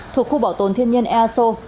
thuộc khu bảo tồn thiên nhiên eso